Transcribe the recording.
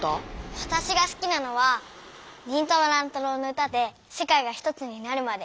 わたしがすきなのは「忍たま乱太郎」の歌で「世界がひとつになるまで」。